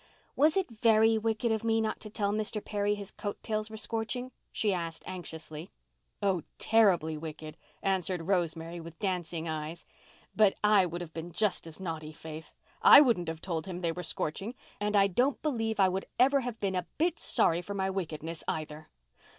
"Was it very wicked of me not to tell Mr. Perry his coat tails were scorching?" she asked anxiously. "Oh, terribly wicked," answered Rosemary, with dancing eyes. "But I would have been just as naughty, Faith—I wouldn't have told him they were scorching—and I don't believe I would ever have been a bit sorry for my wickedness, either."